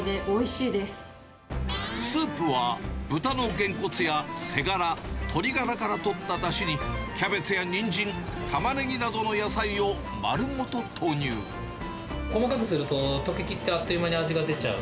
スープは豚のゲンコツや背ガラ、鶏ガラからとっただしに、キャベツやニンジン、タマネギなどの野細かくすると、溶けきって、あっという間に味が出ちゃう。